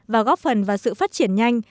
và góp phần vào sự phát triển nhanh